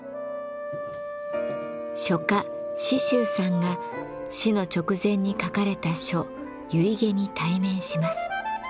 書家紫舟さんが死の直前に書かれた書遺偈に対面します。